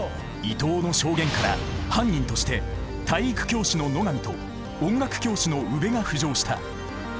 伊藤の証言から犯人として体育教師の野上と音楽教師の宇部が浮上した。